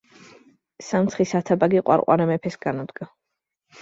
სამცხის ათაბაგი ყვარყვარე მეფეს განუდგა.